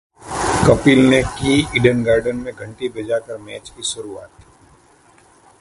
कपिल ने की Eden Gardens में घंटी बजाकर मैच की शुरुआत